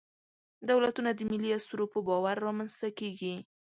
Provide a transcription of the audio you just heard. دولتونه د ملي اسطورو په باور رامنځ ته کېږي.